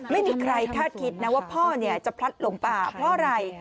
ไม่มีใครคาดคิดนะว่าพ่อจะพลัดหลงป่าเพราะอะไร